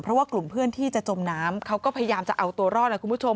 เพราะว่ากลุ่มเพื่อนที่จะจมน้ำเขาก็พยายามจะเอาตัวรอดนะคุณผู้ชม